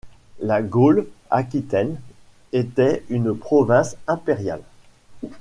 La Gaule aquitaine était une province impériale.